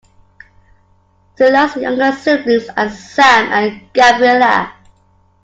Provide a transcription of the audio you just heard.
Cila's younger siblings are Sam and Gabriella.